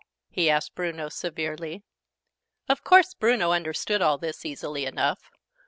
he asked Bruno, severely. Of course Bruno understood all this, easily enough.